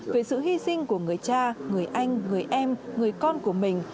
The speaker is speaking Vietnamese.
về sự hy sinh của người cha người anh người em người con của mình